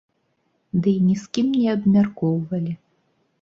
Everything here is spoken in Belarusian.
Ды і ні з кім не абмяркоўвалі.